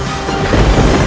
kau tidak bisa menang